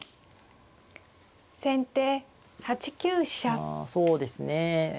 ああそうですね。